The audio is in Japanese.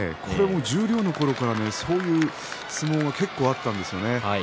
十両のころからそういう相撲があったんですよね。